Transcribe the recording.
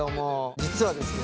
実はですね